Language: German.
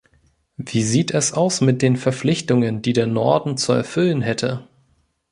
Wie sieht es aus mit den Verpflichtungen, die der Norden zu erfüllen hätte?